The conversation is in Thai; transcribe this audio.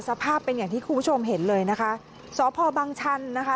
สภาพเป็นอย่างที่คุณผู้ชมเห็นเลยนะคะสพบังชันนะคะ